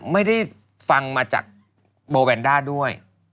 ไม่ได้ฟังมาจากโบแวนด้าด้วย